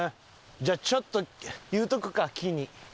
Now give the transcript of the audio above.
じゃあちょっと言うとくか木に。